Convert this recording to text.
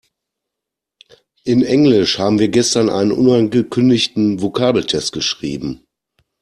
In Englisch haben wir gestern einen unangekündigten Vokabeltest geschrieben.